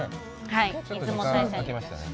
出雲大社に。